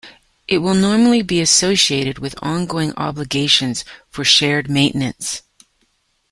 It will normally be associated with ongoing obligations for shared maintenance.